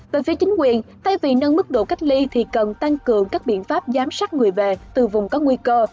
từ phía chính quyền thay vì nâng mức độ cách ly thì cần tăng cường các biện pháp giám sát người về từ vùng có nguy cơ